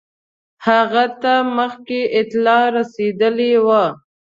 هغه ته مخکي اطلاع رسېدلې وه.